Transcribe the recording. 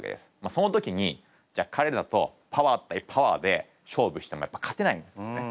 その時にじゃあ彼らとパワー対パワーで勝負してもやっぱり勝てないんですね。